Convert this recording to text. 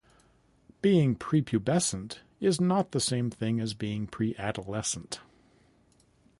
Being prepubescent is not the same thing as being preadolescent.